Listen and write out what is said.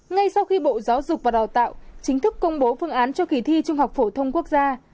ngay sau khi bộ giáo dục và đào tạo chính thức công bố phương án cho kỳ thi trung học phổ thông quốc gia